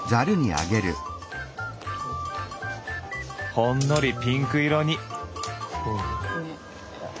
ほんのりピンク色に。